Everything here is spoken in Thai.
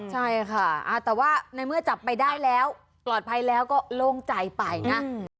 ใช่ค่ะแต่ว่าในเมื่อจับไปได้แล้วปลอดภัยแล้วก็โล่งใจไปนะ